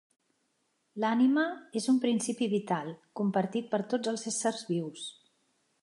L'ànima és un principi vital compartit per tots els éssers vius.